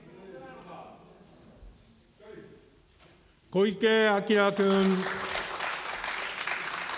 小池晃君。